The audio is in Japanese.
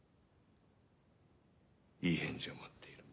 いい返事を待っている。